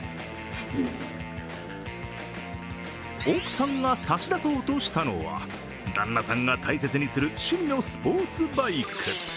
奥さんが差し出そうとしたのは旦那さんが大切にする趣味のスポーツバイク。